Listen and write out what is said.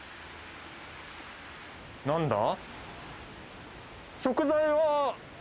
何だ？